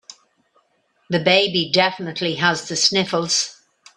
The baby definitely has the sniffles.